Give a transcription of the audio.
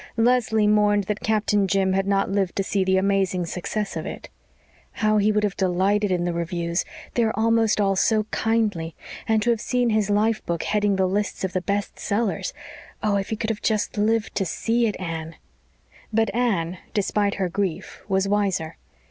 Leslie mourned that Captain Jim had not lived to see the amazing success of it. "How he would have delighted in the reviews they are almost all so kindly. And to have seen his life book heading the lists of the best sellers oh, if he could just have lived to see it, Anne!" But Anne, despite her grief, was wiser.